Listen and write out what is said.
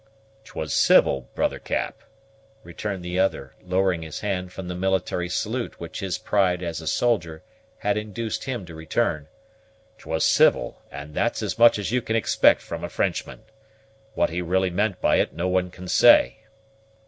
"'Twas civil, brother Cap," returned the other, lowering his hand from the military salute which his pride as a soldier had induced him to return, "'twas civil, and that's as much as you can expect from a Frenchman. What he really meant by it no one can say."